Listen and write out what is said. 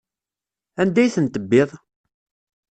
Anda ay ten-tebbiḍ?